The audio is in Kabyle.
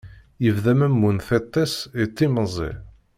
Yebda memmu n tiṭ-is yettimẓi.